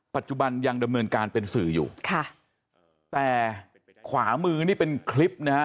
ปัจจุบันยังดำเนินการเป็นสื่ออยู่ค่ะแต่ขวามือนี่เป็นคลิปนะฮะ